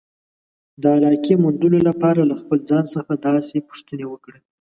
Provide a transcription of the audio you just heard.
د علاقې موندلو لپاره له خپل ځان څخه داسې پوښتنې وکړئ.